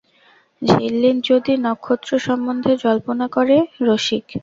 ঝিল্লি যদি নক্ষত্র সম্বন্ধে জল্পনা করে– রসিক।